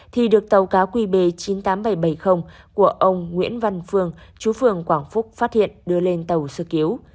thì được tàu cá qb chín mươi tám nghìn bảy trăm bảy mươi của ông nguyễn văn phương chú phường quảng phúc phát hiện đưa lên tàu sơ cứu